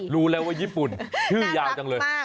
รู้แล้วว่าญี่ปุ่นชื่อยาวจังเลย